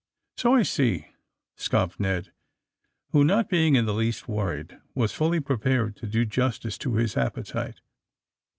^' *^So I see," scoffed Ned, who, not being in the least wortried, was fully prepared to do justice to his appetite.